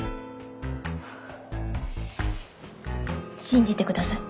信じてください。